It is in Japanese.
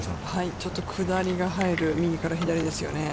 ちょっと下りが入る右から左ですよね。